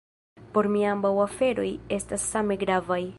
Por mi ambaŭ aferoj estas same gravaj.